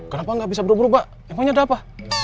kenapa gabisa buru buru pak emangnya ada apa